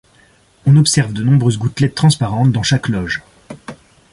On observe de nombreuses gouttelettes transparentes dans chaque loge.